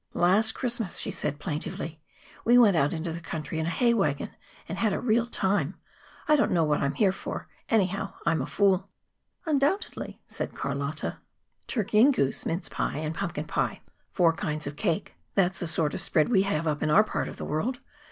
"Last Christmas," she said plaintively, "we went out into the country in a hay wagon and had a real time. I don't know what I am here for, anyhow. I am a fool." "Undoubtedly," said Carlotta. "Turkey and goose, mince pie and pumpkin pie, four kinds of cake; that's the sort of spread we have up in our part of the world.